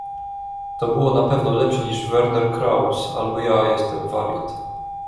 To było na pewno lepsze niż Werner Kraus, albo ja jestem wariat.